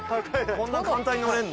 こんな簡単に乗れんの？